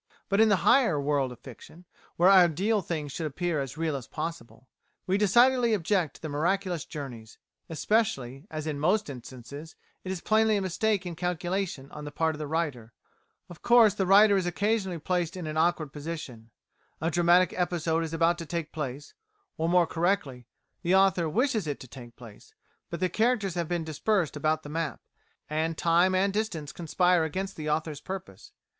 But in the higher world of fiction, where ideal things should appear as real as possible, we decidedly object to miraculous journeys, especially, as in most instances, it is plainly a mistake in calculation on the part of the writer. Of course the writer is occasionally placed in an awkward position. A dramatic episode is about to take place, or, more correctly, the author wishes it to take place, but the characters have been dispersed about the map, and time and distance conspire against the author's purpose.